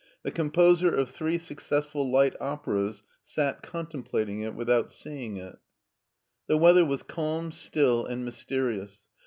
The composer of three successful light operas sat contemplating it without seeing it. The weather was calm, still, and mysterious.